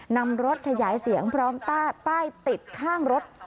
นำรถขยายเสียงพร้อมป้ายติดข้างรถ